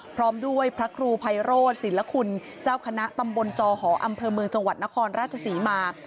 พร้อมด้วยพระครูภัยโรธศิลคุณเจ้าคณะตำบลจอหออำเภอเมืองจังหวัดนครราชศรีมา